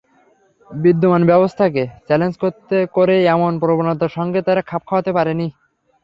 বিদ্যমান ব্যবস্থাকে চ্যালেঞ্জ করে এমন প্রবণতার সঙ্গে তারা খাপ খাওয়াতে পারেনি।